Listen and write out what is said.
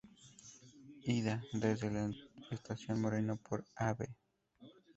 Ida: Desde la Estación Moreno por Av.